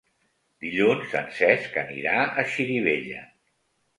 Dilluns en Cesc anirà a Xirivella.